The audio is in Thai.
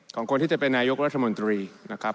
ของคนที่จะเป็นนายกรัฐมนตรีนะครับ